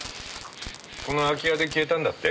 この空き家で消えたんだって？